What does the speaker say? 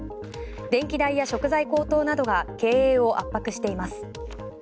電気代や食材高騰などが経営を圧迫しています。